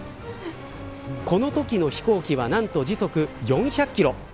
このときの飛行機は何と時速４００キロ。